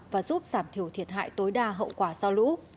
và giúp giảm thiểu thiệt hại tối đa hậu quả sau lũ